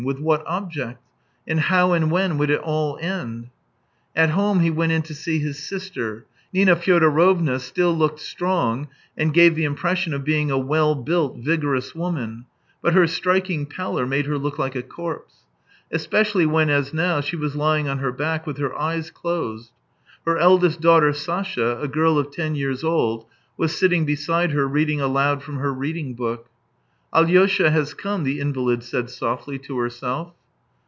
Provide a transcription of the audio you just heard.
With what object ? And how and when would it all end ? At home he went in to see his sister. Nina Fyodorovna still looked strong and gave the impression of being a well built, vigorous woman, but her striking pallor made her look like a corpse, especially when, as now, she was lying on her back with her eyes closed; her eldest daughter Sasha, a girl of ten years old. was sitting beside her reading aloud from her reading book. " Alyosha has come," the invalid said softly to herself.